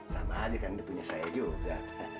sama adekannya punya saya juga